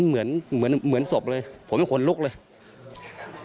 เหมือนสบเลยปุ่งไปทรงโลกดู